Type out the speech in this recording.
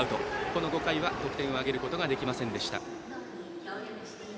この５回は得点を挙げることができませんでした。